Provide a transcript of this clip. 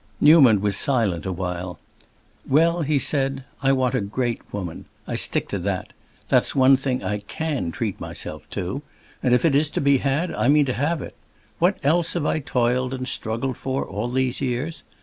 Newman was silent a while. "Well," he said, at last, "I want a great woman. I stick to that. That's one thing I can treat myself to, and if it is to be had I mean to have it. What else have I toiled and struggled for, all these years?